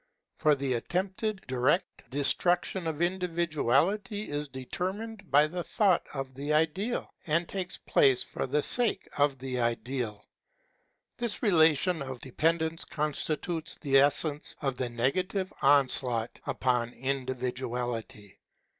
For the attempted direct destruc tion of individuality is determined by the thought of the Ideal, and takes place for the sake of the Ideal. This relation of de pendence constitutes the essence of the negative onslaught upon individuality.